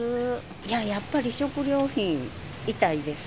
いや、やっぱり食料品、痛いです。